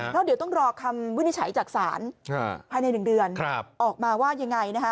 เพราะเดี๋ยวต้องรอคำวินิจฉัยจากศาลภายใน๑เดือนออกมาว่ายังไงนะคะ